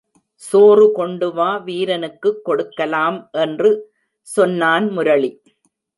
சோறு கொண்டுவா வீரனுக்குக் கொடுக்கலாம் என்று சொன்னான் முரளி.